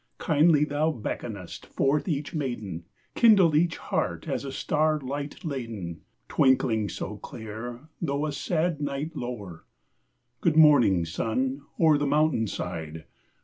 Kindly thou beckonest forth each maiden; Kindle each heart as a star light laden, Twinkling so clear, though a sad night lower! Good morning, sun, o'er the mountain side!